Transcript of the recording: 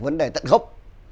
vấn đề tận gốc